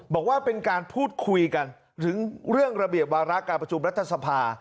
บอกว่าเป็นการพูดคุยกันถึงเรื่องระเบียบวาระการประชุมรัฐสภา